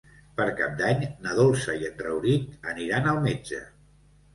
Per Cap d'Any na Dolça i en Rauric aniran al metge.